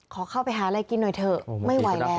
ขอเข้าไปหาอะไรกินหน่อยเถอะ